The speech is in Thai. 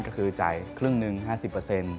ก็คือจ่ายครึ่งหนึ่งห้าสิบเปอร์เซ็นต์